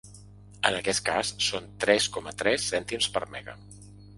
En aquest cas són tres coma tres cèntims per mega.